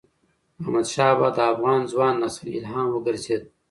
احمدشاه بابا د افغان ځوان نسل الهام وګرځيد.